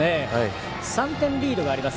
３点リードがあります